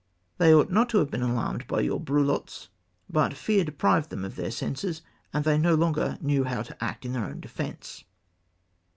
They ought not to have been alarmed by your brulots, but fear deprived them of their senses, and they no longer knew how to act in their own defence.'